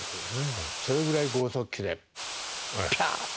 それぐらい豪速球でピャッと。